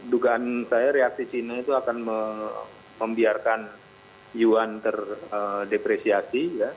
dugaan saya reaksi chino itu akan membiarkan yuan terdepresiasi